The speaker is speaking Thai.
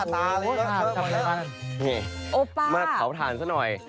นี่มาเผาถ่านซะหน่อย